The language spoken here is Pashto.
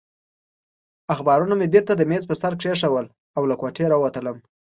اخبارونه مې بېرته د مېز پر سر کېښودل او له کوټې راووتلم.